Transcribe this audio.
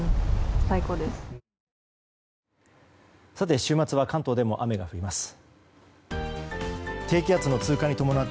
さて、週末は関東でも雨が降ります。